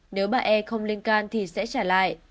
nếu bà e không lên can thì sẽ trả lại